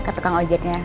ke tukang ojeknya